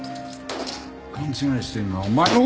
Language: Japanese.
勘違いしてるのはお前の！